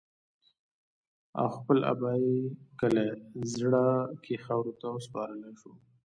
او خپل ابائي کلي زَړَه کښې خاورو ته اوسپارلے شو